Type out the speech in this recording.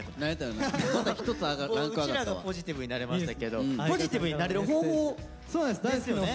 うちらがポジティブになれましたけどポジティブになれる方法ですよね？